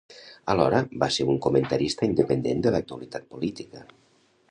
Alhora va ser un comentarista independent de l'actualitat política.